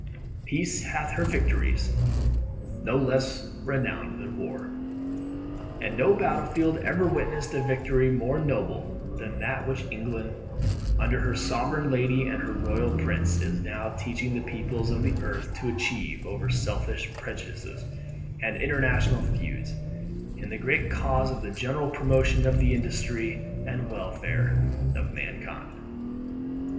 "Peace hath her victories No less renowned than War;" and no battle field ever witnessed a victory more noble than that which England, under her Sovereign Lady and her Royal Prince, is now teaching the peoples of the earth to achieve over selfish prejudices and international feuds, in the great cause of the general promotion of the industry and welfare of mankind.